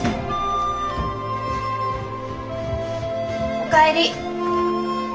お帰り。